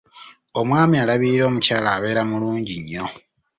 Omwami alabirira omukyala abeera mulungi nnyo.